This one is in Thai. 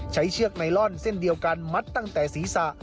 เชือกไนลอนเส้นเดียวกันมัดตั้งแต่ศีรษะ